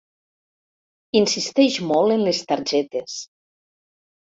Insisteix molt en les targetes.